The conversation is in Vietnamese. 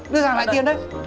đưa hàng lại tiền đấy